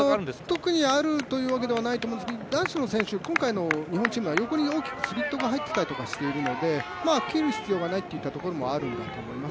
特にあるというわけではないと思うんですけれども、男子の選手、今回の日本の選手は横に大きなスリットが入っていたりするので切る必要がないというところもあるんだと思います。